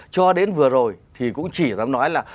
cho đến vừa rồi thì cũng chỉ dám nói là